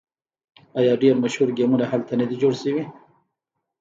آیا ډیر مشهور ګیمونه هلته نه دي جوړ شوي؟